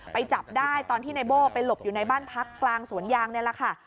จับได้ตอนที่ในโบ้ไปหลบอยู่ในบ้านพักกลางสวนยางนี่แหละค่ะ